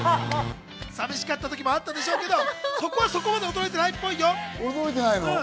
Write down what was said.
さみしかった時もあったでしょうけど、そこはそこまで驚いていないっぽいよ。